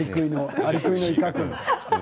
アリクイの威嚇。